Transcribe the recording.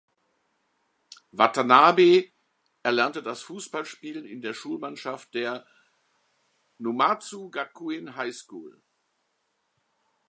Watanabe erlernte das Fußballspielen in der Schulmannschaft der "Numazu Gakuen High School".